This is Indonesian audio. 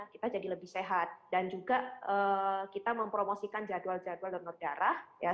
kita jadi lebih sehat dan juga kita mempromosikan jadwal jadwal donor darah